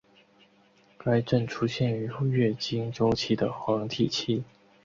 该症出现于月经周期的黄体期。